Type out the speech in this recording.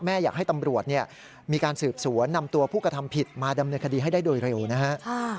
อยากให้ตำรวจมีการสืบสวนนำตัวผู้กระทำผิดมาดำเนินคดีให้ได้โดยเร็วนะฮะ